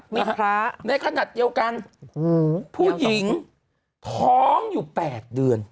นี่ฮะในขณะเดียวกันผู้หญิงท้องอยู่๘เดือน